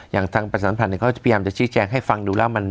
อย่างทางประสานภัณฑ์เนี่ยเค้าจะพยายามจะชิดแจ้งให้ฟังดูแล้ว